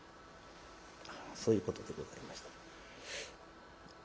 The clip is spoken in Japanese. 「そういうことでございましたか。